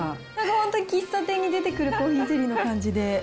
本当に、喫茶店に出てくるコーヒーゼリーの感じで。